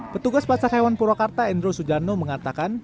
petugas pasar hewan purwakarta endro sujano mengatakan